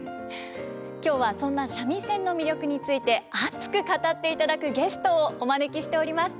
今日はそんな三味線の魅力について熱く語っていただくゲストをお招きしております。